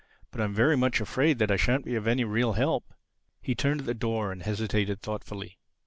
"But I'm very much afraid that I shan't be of any real help." He turned at the door and hesitated thoughtfully.